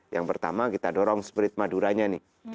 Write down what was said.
yang pertama kita dorong spirit madura nya nih